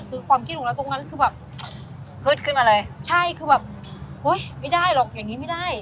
คือความคิดของเราตรงนั้นคือแบบฮึดขึ้นมาเลยใช่คือแบบเฮ้ยไม่ได้หรอกอย่างนี้ไม่ได้